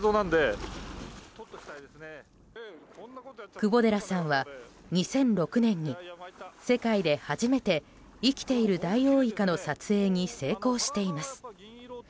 窪寺さんは２００６年に世界で初めて生きているダイオウイカの撮影に成功しています。